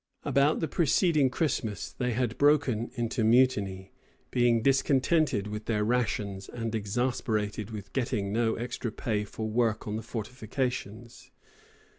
About the preceding Christmas they had broken into mutiny, being discontented with their rations and exasperated with getting no extra pay for work on the fortifications.